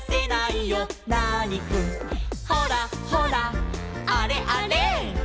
「ほらほらあれあれ」